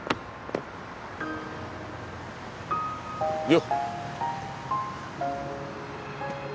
よっ！